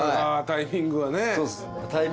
タイミングっすね。